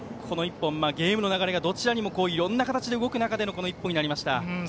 ゲームの流れが、どちらにもいろんな形で動く中でのこの１本になりました。